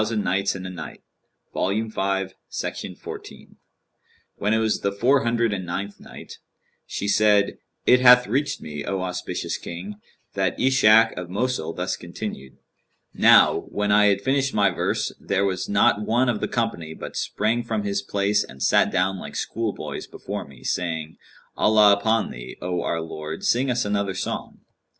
—And Shahrazad perceived the dawn of day and ceased to say her permitted say. When it was the Four Hundred and Ninth Night, She said, It hath reached me, O auspicious King, that Ishak of Mosul thus continued: "Now when I had finished my verse, there was not one of the company but sprang from his place and sat down like schoolboys before me, saying, 'Allah upon thee, O our lord, sing us another song.'